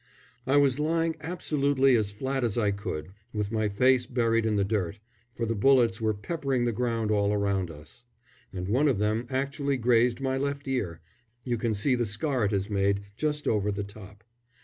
I was lying absolutely as flat as I could, with my face buried in the dirt, for the bullets were peppering the ground all around us, and one of them actually grazed my left ear you can see the scar it has made, just over the top.